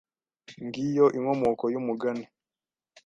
Ngiyo inkomoko y'umugani